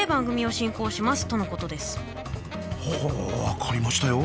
分かりましたよ。